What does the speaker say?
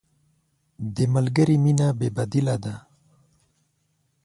د ملګري مینه بې بدیله ده.